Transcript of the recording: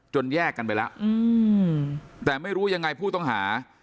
แยกกันไปแล้วแต่ไม่รู้ยังไงผู้ต้องหา